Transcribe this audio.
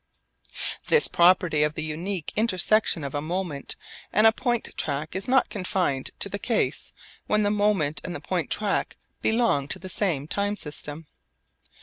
This property of the unique intersection of a moment and a point track is not confined to the case when the moment and the point track belong to the same time system.